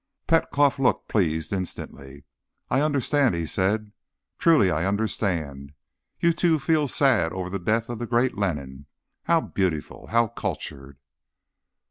Petkoff looked pleased instantly. "I understand," he said. "Truly I understand. You, too, feel sad over the death of the great Lenin. How beautiful! How cultured!"